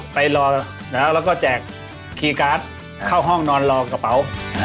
ไปรอแล้วก็แจกคีย์การ์ดเข้าห้องนอนรอกระเป๋า